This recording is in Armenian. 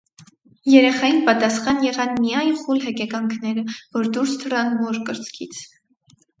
Երեխային պատասխան եղան միա՜յն խուլ հեկեկանքները, որ դուրս թռան մոր կրծքից…